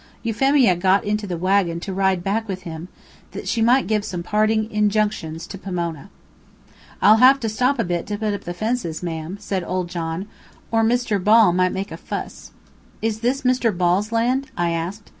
Euphemia got into the wagon to ride back with him, that she might give some parting injunctions to Pomona. "I'll have to stop a bit to put up the fences, ma'am," said old John, "or Misther Ball might make a fuss." "Is this Mr. Ball's land?" I asked.